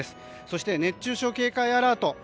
そして熱中症警戒アラート。